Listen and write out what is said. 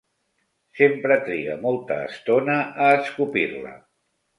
Sempre triga molta estona a escopir-la.